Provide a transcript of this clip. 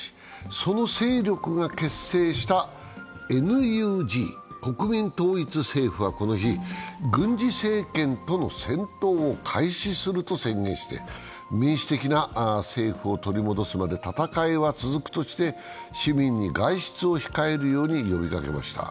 その勢力が結成したＮＵＧ＝国民統一政府はこの日、軍事政権との戦闘を開始すると宣言して民主的な政府を取り戻すため戦いは続くとして市民に外出を控えるよう呼びかけました。